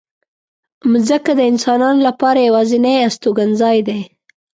مځکه د انسانانو لپاره یوازینۍ استوګنځای دی.